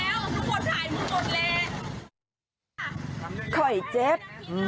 เออถ่ายอยู่แล้วถูกกดถ่ายถูกกดเลย